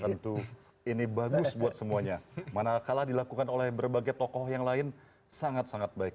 tentu ini bagus buat semuanya manakala dilakukan oleh berbagai tokoh yang lain sangat sangat baik